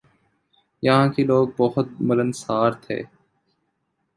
یہاں کے لوگ بہت ملنسار تھے ۔